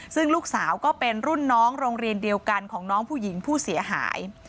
ซึ่งลูกสาวก็เป็นรุ่นน้องโรงเรียนเดียวกันของน้องผู้หญิงผู้เสียหาย